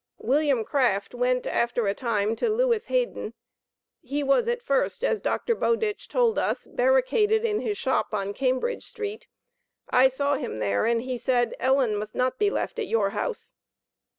William Craft went, after a time, to Lewis Hayden. He was at first, as Dr. Bowditch told us, 'barricaded in his shop on Cambridge street.' I saw him there, and he said, 'Ellen must not be left at your house.'